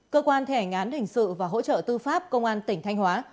cơ quan thể ngán hình sự và hỗ trợ tư pháp công an tỉnh thanh hóa